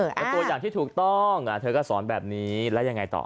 เป็นตัวอย่างที่ถูกต้องเธอก็สอนแบบนี้แล้วยังไงต่อ